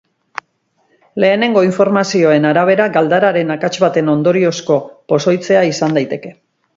Lehenengo informazioen arabera, galdararen akats baten ondoriozko pozoitzea izan daiteke.